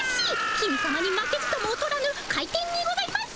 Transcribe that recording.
公さまに負けずともおとらぬ回転にございます。